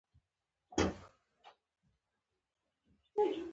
له ډوډۍ او اوبو ورها مسايل څېړي.